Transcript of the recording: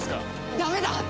ダメだ！